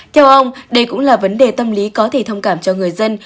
theo ông đây cũng là vấn đề tâm lý có thể thông cảm cho người dân